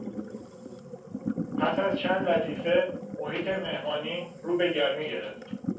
پس از چند لطیفه، محیط مهمانی رو به گرمی گرفت.